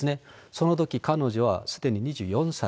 そのとき彼女はすでに２４歳。